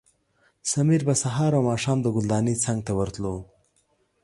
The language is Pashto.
سمیر به سهار او ماښام د ګلدانۍ څنګ ته ورتلو.